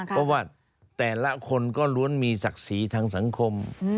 เพราะว่าแต่ละคนก็ล้วนมีศักดิ์ศรีทางสังคม